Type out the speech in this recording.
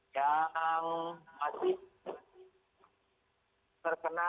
yang masih terkena